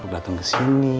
datang ke sini